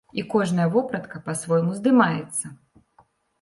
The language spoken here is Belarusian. І кожная вопратка па-свойму здымаецца.